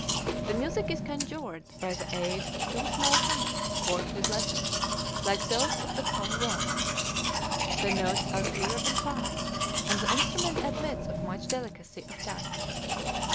The music is "conjured" by the aid of two small hammers corked with leather, like those of the khong vong. The notes are clear and fine, and the instrument admits of much delicacy of touch.